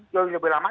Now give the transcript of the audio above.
jauh lebih lama